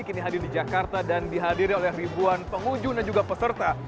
kami di jakarta dan dihadiri oleh ribuan pengujun dan juga peserta